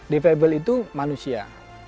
defable itu manusia